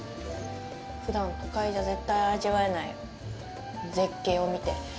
ふだん都会じゃ絶対味わえない絶景を見て。